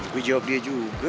gue jawab dia juga